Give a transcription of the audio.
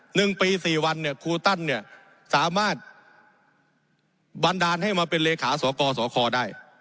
หนึ่งปีสี่วันเนี่ยครูตั้นเนี่ยสามารถบันดาลให้มาเป็นเลขาสกสคได้